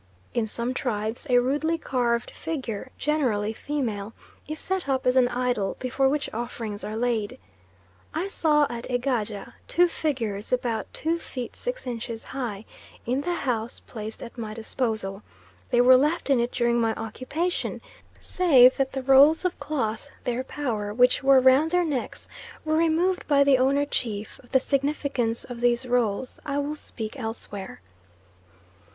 In some tribes a rudely carved figure, generally female, is set up as an idol before which offerings are laid. I saw at Egaja two figures about 2 feet 6 inches high, in the house placed at my disposal. They were left in it during my occupation, save that the rolls of cloth (their power) which were round their necks, were removed by the owner chief; of the significance of these rolls I will speak elsewhere.